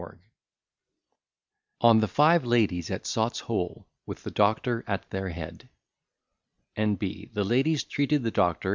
_] ON THE FIVE LADIES AT SOT'S HOLE WITH THE DOCTOR AT THEIR HEAD N.B. THE LADIES TREATED THE DOCTOR.